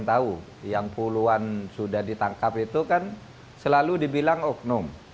kita tahu yang puluhan sudah ditangkap itu kan selalu dibilang oknum